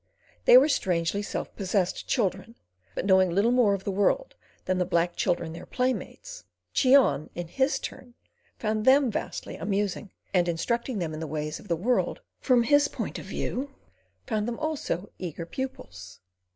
They were strangely self possessed children; but knowing little more of the world than the black children their playmates, Cheon, in his turn, found them vastly amusing, and instructing them in the ways of the world—from his point of view—found them also eager pupils.